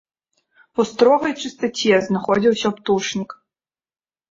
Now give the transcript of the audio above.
У строгай чыстаце знаходзіўся птушнік.